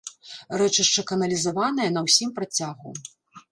Рэчышча каналізаванае на ўсім працягу.